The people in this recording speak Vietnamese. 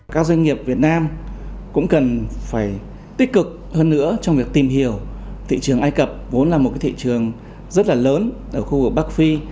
các doanh nghiệp việt nam cũng cần phải tích cực hơn nữa trong việc tìm hiểu thị trường ai cập vốn là một thị trường rất là lớn ở khu vực bắc phi